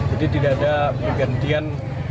jadi tidak ada pergantian